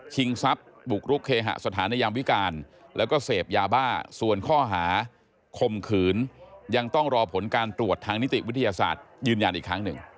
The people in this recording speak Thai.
ทรัพย์บุกรุกเคหสถานในยามวิการแล้วก็เสพยาบ้าส่วนข้อหาคมขืนยังต้องรอผลการตรวจทางนิติวิทยาศาสตร์ยืนยันอีกครั้งหนึ่ง